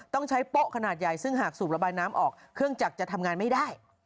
ต้องใช้โป๊ะขนาดใหญ่ซึ่งหากสูบระบายน้ำออกเครื่องจักรจะทำงานไม่ได้